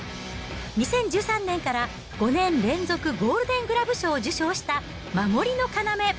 ２０１３年から５年連続ゴールデングラブ賞を受賞した、守りの要。